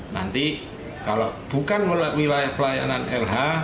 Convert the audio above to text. nanti kalau bukan wilayah pelayanan lh